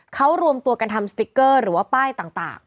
เขารวมตัวกันทำสติ๊กเกอร์หรือว่าป้ายต่าง